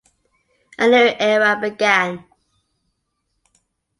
A new era began.